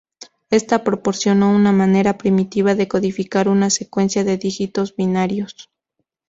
Esto proporcionó una manera primitiva de codificar una secuencia de dígitos binarios.